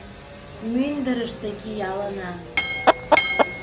Мӱндырыштӧ киялына.